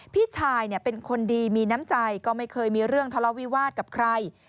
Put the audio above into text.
พี่ชายเป็นคนดีมีน้ำใจก็ไม่เคยมีเรื่องทะเลาวิวาสกับใคร